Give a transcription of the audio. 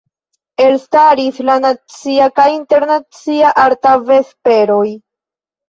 Elstaris la Nacia kaj Internacia Arta Vesperoj.